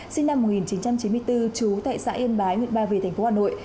sinh năm một nghìn chín trăm chín mươi bốn chú tại xã yên bái huyện ba về tp hà nội